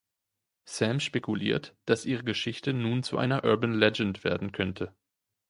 Sam spekuliert, dass ihre Geschichte nun zu einer „urban legend“ werden könnte.